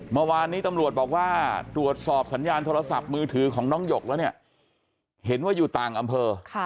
เมื่อวานนี้ตำรวจบอกว่าตรวจสอบสัญญาณโทรศัพท์มือถือของน้องหยกแล้วเนี่ยเห็นว่าอยู่ต่างอำเภอ